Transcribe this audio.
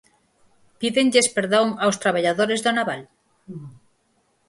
¿Pídenlles perdón aos traballadores do naval?